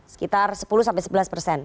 sekitar sepuluh sebelas persen